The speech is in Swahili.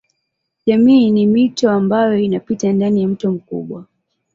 Jamii ni mito ambayo inapita ndani ya mto mkubwa.